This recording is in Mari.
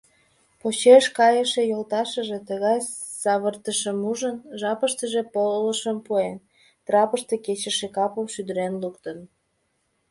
Почеш кайыше йолташыже, тыгай савыртышым ужын, жапыштыже полышым пуэн: трапыште кечыше капым шӱдырен луктын.